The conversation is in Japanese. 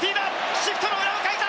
シフトの裏をかいた！